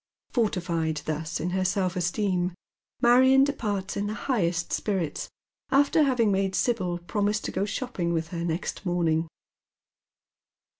Fortified thus in her self esteem Marion departs in the highest spirits, after having made Sibyl promise to go ghopping with ba next morning.